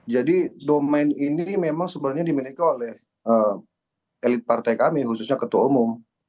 jadi domain ini memang sebenarnya dimiliki oleh elit partai kami khususnya ketua umum